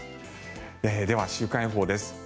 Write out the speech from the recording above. では、週間予報です。